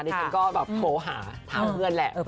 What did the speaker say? ฉันก็แบบโทรหาถามเพื่อนแหละ